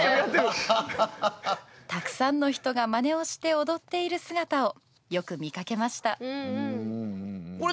「たくさんの人がまねをして踊っている姿をよく見かけました」。